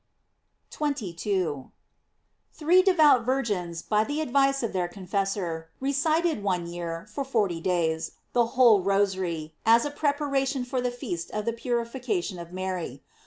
"* 22. — Three devout virgins, by the advice of their confessor, recited one year, for forty days, the whole Rosary, as a preparation for the feast of the purification of Mary.